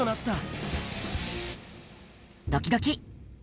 ドキドキ。